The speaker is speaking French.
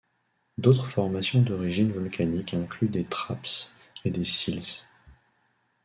D'autres formations d'origine volcanique incluent des trapps et des sills.